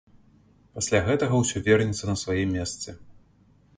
Пасля гэтага ўсё вернецца на свае месцы.